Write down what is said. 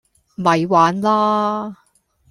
咪玩啦